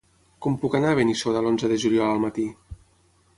Com puc anar a Benissoda l'onze de juliol al matí?